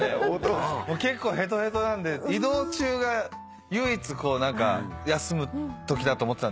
結構ヘトヘトなんで移動中が唯一休むときだと思ってた。